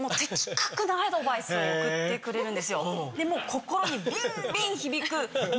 心にビンビン響く。